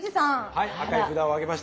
はい赤い札を上げました。